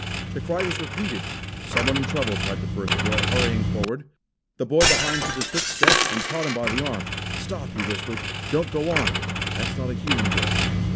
The cry was repeated. "Someone in trouble," cried the first boy, hurrying forward. The boy behind took a quick step, and caught him by the arm. "Stop!" he whispered. "Don't go on! That's not a human voice."